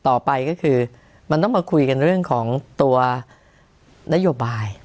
ต่อไปก็คือมันต้องมาคุยกันเรื่องของตัวนโยบาย